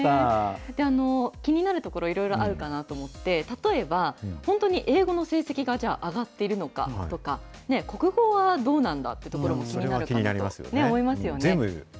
気になるところ、いろいろあるかなと思って、例えば、本当に英語の成績がじゃあ、上がっているのかとか、国語はどうなんだというところが気になると思いますよね。